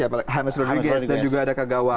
james rodriguez dan juga ada kagawa